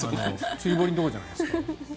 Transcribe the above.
釣り堀のところじゃないですか？